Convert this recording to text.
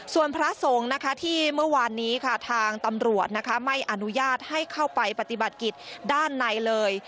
ส่วนพระสงฆ์นะคะที่เมื่อวานนี้ค่ะทางตำรวจไม่อนุญาตให้เข้าไปปฏิบัติกิจด้านในเลย